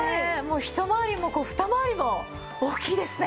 一回りも二回りも大きいですね